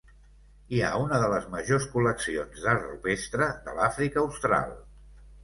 Hi ha una de les majors col·leccions d'art rupestre de l'Àfrica austral.